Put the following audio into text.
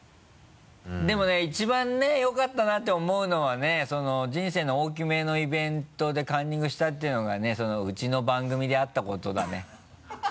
でもね一番ねよかったなって思うのはね人生の大きめのイベントでカンニングしたっていうのがねうちの番組であったことだね。